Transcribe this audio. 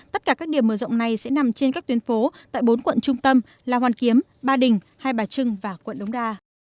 tất cả các điểm mở rộng này sẽ nằm trên các tuyến phố tại bốn quận trung tâm là hoàn kiếm ba đình hai bà trưng và quận đống đa